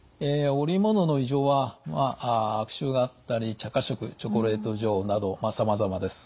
おりものの異常はまあ悪臭があったり茶褐色チョコレート状などさまざまです。